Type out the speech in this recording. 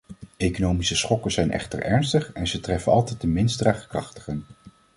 Economische schokken zijn echter ernstig en ze treffen altijd de minst draagkrachtigen.